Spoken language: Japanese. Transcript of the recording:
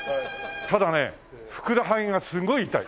ただねふくらはぎがすごい痛い。